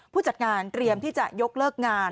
ผู้จัดงานเตรียมที่จะยกเลิกงาน